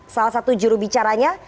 salah satu jurubicaranya